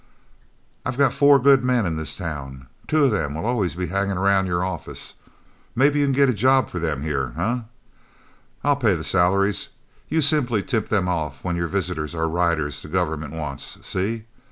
"I've got four good men in this town. Two of them will always be hanging around your office. Maybe you can get a job for them here, eh? I'll pay the salaries. You simply tip them off when your visitors are riders the government wants, see?